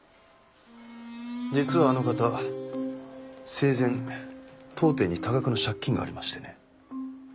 実はあの方生前当店に多額の借金がありましてね。